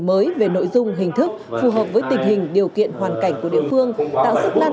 mới về nội dung hình thức phù hợp với tình hình điều kiện hoàn cảnh của địa phương tạo sức lan